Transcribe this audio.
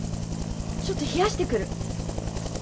ちょっと冷やしてくる。